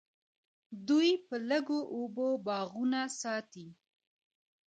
دوی په لږو اوبو باغونه ساتي.